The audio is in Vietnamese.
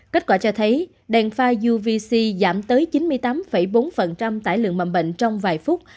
kết quả cho thấy đèn pha yovic giảm tới chín mươi tám bốn tải lượng mầm bệnh trong vài phút